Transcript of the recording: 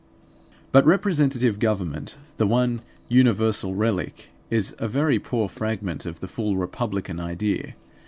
But representative government, the one universal relic, is a very poor fragment of the full republican idea.